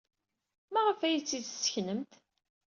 Maɣef ay iyi-tt-id-tesseknemt?